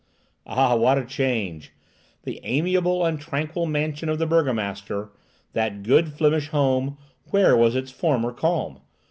Ah, what a change! The amiable and tranquil mansion of the burgomaster, that good Flemish home—where was its former calm?